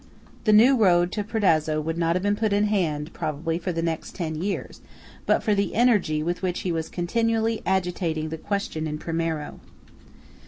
The new road to Predazzo would not have been put in hand, probably, for the next ten years, but for the energy with which he was continually agitating the question in Primiero.